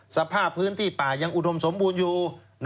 สภาพพื้นที่ป่ายังอุดมสมบูรณ์อยู่